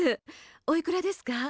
おいくらですか？